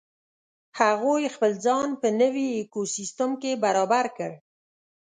هغوی خپل ځان په نوې ایکوسیستم کې برابر کړ.